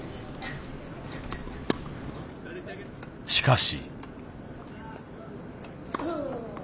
しかし。